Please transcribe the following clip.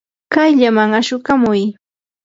kayllaman ashukamuy.